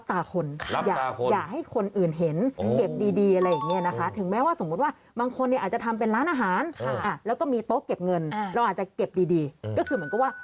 ก็อาจจะเก็บดีก็คือเหมือนกับว่า